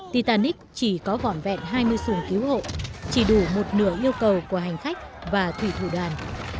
titanic chỉ có vỏn vẹn hai mươi xuồng cứu hộ chỉ đủ một nửa yêu cầu của hành khách và thủy thủ đoàn